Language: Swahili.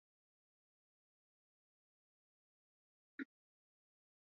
cha televisheni cha taifa la Uganda Nyota huyo aliyewahi kutamba na kibao mdomo